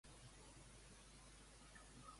Quines novel·les va treure amb l'editorial Planeta?